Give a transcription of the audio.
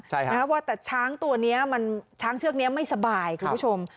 ใช่ค่ะนะครับแต่ช้างตัวนี้ช้างเชือกนี้ไม่สบายคุณผู้ชม